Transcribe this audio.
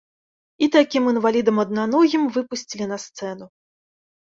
І такім інвалідам аднаногім выпусцілі на сцэну.